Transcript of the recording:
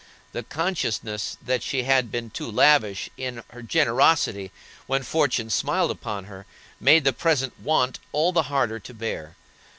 The consciousness that she had been too lavish in her generosity when fortune smiled upon her, made the present want all the harder to bear.